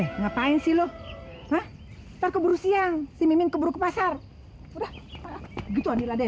hai eh ngapain sih lu hah tak keburu siang si mimin keburu ke pasar udah gitu nih